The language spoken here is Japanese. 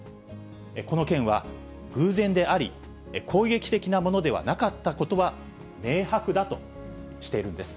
この件は偶然であり、攻撃的なものではなかったことは明白だとしているんです。